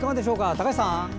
高橋さん。